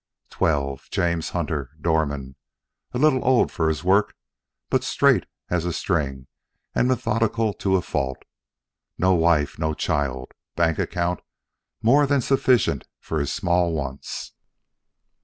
XII James Hunter, door man, a little old for his work, but straight as a string and methodical to a fault. No wife, no child. Bank account more than sufficient for his small wants.